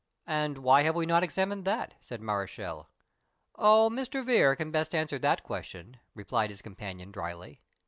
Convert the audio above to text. "And why have we not examined that?" said Mareschal. "O, Mr. Vere can best answer that question," replied his companion, dryly.